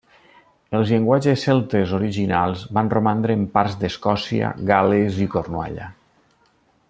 Els llenguatges celtes originals van romandre en parts d'Escòcia, Gal·les i Cornualla.